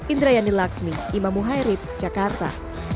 indrayani laksmi imam muhairib jakarta